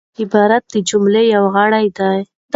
عبارت د جملې یو غړی دئ.